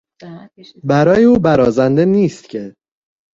برای او برازنده نیست که...